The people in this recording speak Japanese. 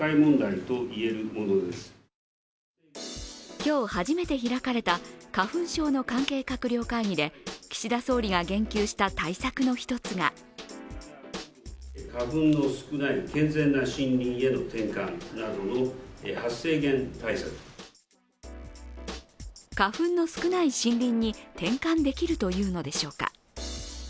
今日初めて開かれた花粉症の関係閣僚会議で岸田総理が言及した対策の一つが花粉の少ない森林に転換できるというのでしょうか。